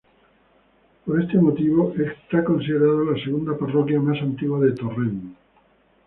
Por este motivo, es considerada la segunda parroquia más antigua de Torrent.